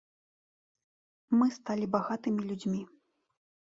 Мы сталі багатымі людзьмі.